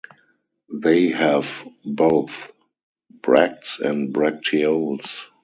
They have both bracts and bracteoles.